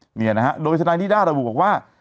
เนี่ยนะฮะโดยทนายนิด้าระบุบอกว่า